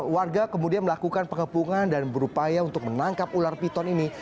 warga kemudian melakukan pengepungan dan berupaya untuk menangkap ular piton ini